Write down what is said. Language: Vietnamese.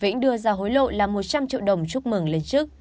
vĩnh đưa ra hối lộ là một trăm linh triệu đồng chúc mừng lên chức